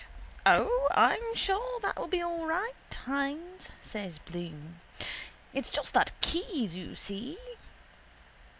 —O, I'm sure that will be all right, Hynes, says Bloom. It's just that Keyes, you see.